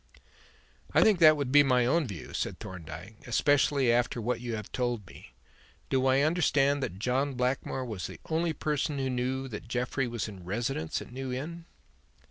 "I think that would be my own view," said Thorndyke, "especially after what you have told me. Do I understand that John Blackmore was the only person who knew that Jeffrey was in residence at New Inn?"